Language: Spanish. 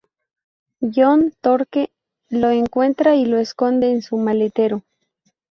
John Torque lo encuentra y lo esconde en su maletero.